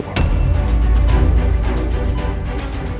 tidak melakukan itu